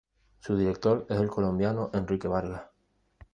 Su director es el colombiano Enrique Vargas.